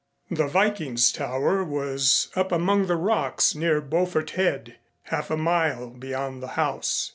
The Viking's Tower was up among the rocks near Beaufort Head, half a mile beyond the house.